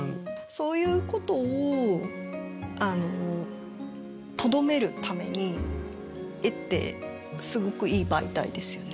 そういうことをとどめるために絵ってすごくいい媒体ですよね。